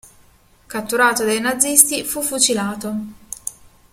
Catturato dai nazisti fu fucilato.